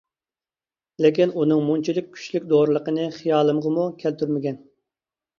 لېكىن ئۇنىڭ مۇنچىلىك كۈچلۈك دورىلىقىنى خىيالىمغىمۇ كەلتۈرمىگەن.